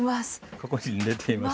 ここに寝ています。